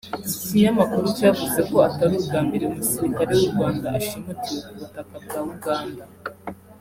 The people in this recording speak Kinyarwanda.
Iki kinyamakuru cyavuze ko atari ubwa mbere umusirikare w’u Rwanda ashimutiwe ku butaka bwa Uganda